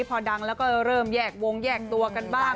พอดังแล้วก็เริ่มแยกวงแยกตัวกันบ้าง